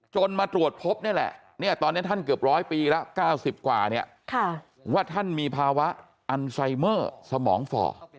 มาตรวจพบนี่แหละตอนนี้ท่านเกือบร้อยปีแล้ว๙๐กว่าเนี่ยว่าท่านมีภาวะอันไซเมอร์สมองฝ่อ